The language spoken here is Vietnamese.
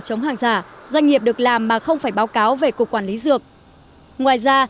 chống hàng giả doanh nghiệp được làm mà không phải báo cáo về cục quản lý dược ngoài ra